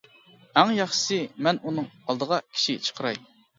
ئەڭ ياخشىسى مەن ئۇنىڭ ئالدىغا كىشى چىقىراي.